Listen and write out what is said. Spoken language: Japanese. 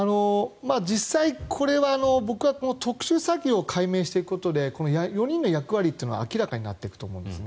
実際、これは僕は特殊詐欺を解明していくことで４人の役割は明らかになっていくと思うんですね。